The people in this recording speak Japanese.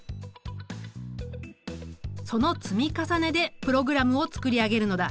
その積み重ねでプログラムを作り上げるのだ。